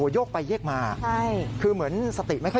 ยกไปเยี่ยงมา